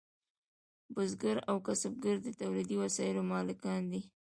بزګر او کسبګر د تولیدي وسایلو مالکان دي.